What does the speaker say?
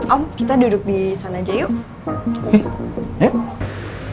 om kita duduk disana aja yuk